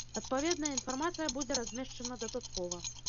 Адпаведная інфармацыя будзе размешчана дадаткова.